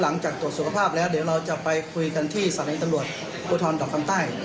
หลังจากตรวจสุขภาพแล้วเดี๋ยวเราจะไปคุยกันที่สถานีตำรวจภูทรดอกคำใต้